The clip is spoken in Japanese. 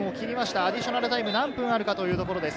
アディショナルタイム、何分あるかというところです。